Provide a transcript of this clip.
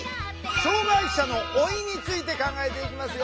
「障害者の老い」について考えていきますよ。